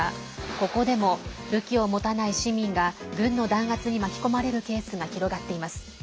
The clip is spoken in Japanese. ここでも、武器を持たない市民が軍の弾圧に巻き込まれるケースが広がっています。